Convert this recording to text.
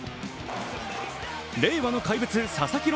令和の怪物・佐々木朗